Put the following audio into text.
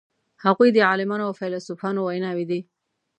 هغوی د عالمانو او فیلسوفانو ویناوی دي.